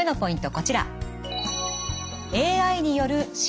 こちら。